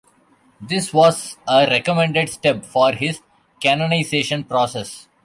This was a recommended step for his canonization process.